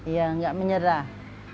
ya nggak menyerah